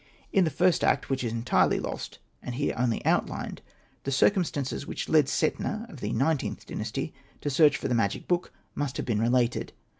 In the first act — which is entirely lost, and here only outlined — the cir cumstances which led Setna of the XlXth Dynasty to search for the magic book must have been related.